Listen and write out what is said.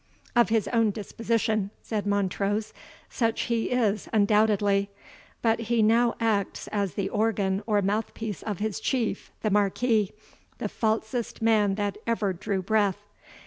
"Of his own disposition," said Montrose, "such he is undoubtedly; but he now acts as the organ or mouth piece of his Chief, the Marquis, the falsest man that ever drew breath.